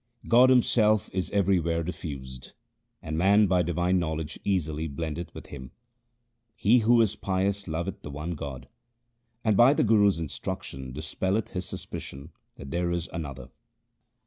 God himself is everywhere diffused, and man by divine knowledge easily blendeth with Him. He who is pious loveth the one God, And by the Guru's instruction dispelleth his suspicion that there is another.